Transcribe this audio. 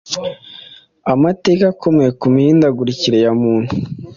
Amateka akomeye ku mihindagurikire ya muntu